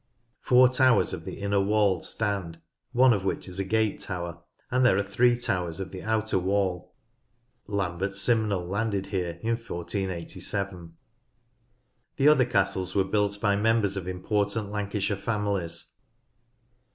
Four towers of the inner walls stand, one of which is a gate tower, and there are three towers of the outer wall. Lambert Simnel landed here in 1487. Piel Castle The other castles were built by members of important Lancashire families.